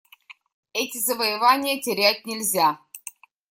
Эти завоевания терять нельзя.